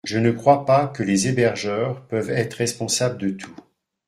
Je ne crois pas que les hébergeurs peuvent être responsables de tout.